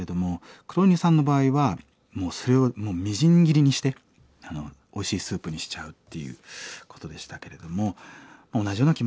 黒犬さんの場合はもうそれをみじん切りにしておいしいスープにしちゃうっていうことでしたけれども同じような気持ちの方